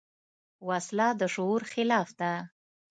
وسله د شعور خلاف ده